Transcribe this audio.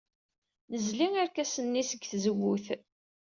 Nzelli irkasen-nni seg tzewwut.